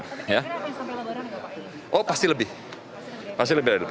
tapi kenapa yang sampai lebaran enggak pak